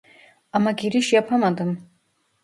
Ama giriş yapamadım